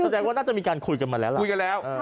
แสดงว่าน่าจะมีการคุยกันมาแล้ว